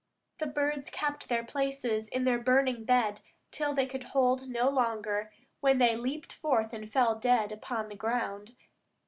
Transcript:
The birds kept their places in their burning bed till they could hold no longer, when they leaped forth and fell dead upon the ground.